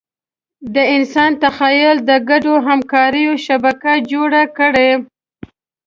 د انسان تخیل د ګډو همکاریو شبکه جوړه کړه.